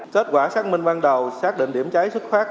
kết quả xác minh ban đầu xác định điểm cháy xuất phát